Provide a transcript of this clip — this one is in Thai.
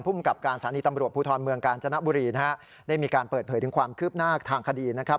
กับการสถานีตำรวจภูทรเมืองกาญจนบุรีนะฮะได้มีการเปิดเผยถึงความคืบหน้าทางคดีนะครับ